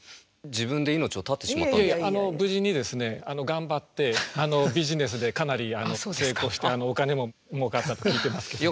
いやいや無事にですね頑張ってビジネスでかなり成功してお金ももうかったと聞いてますけど。